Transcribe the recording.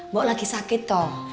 mbak lagi sakit toh